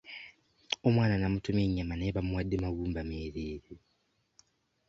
Omwana namutumye ennyama naye bamuwadde magumba meereere.